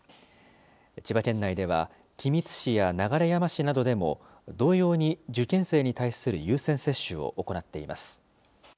千葉県内では、君津市や流山市などでも、同様に受験生に対する優先接種を行っています。